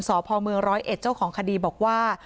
สพเมืองร้อยเอ็ดเจ้าของคดีบอกว่า